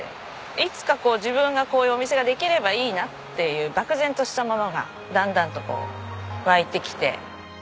いつかこう自分がこういうお店ができればいいなっていう漠然としたものがだんだんとこう湧いてきて。